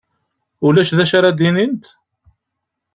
Ulac d acu ara d-inint?